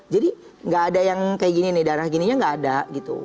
jadi gak ada yang kayak gini nih darah gininya gak ada gitu